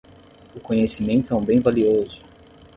O conhecimento é um bem valioso